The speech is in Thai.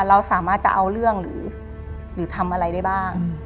เราสามารถจะเอาเรื่องหรือทำอะไรได้บ้าง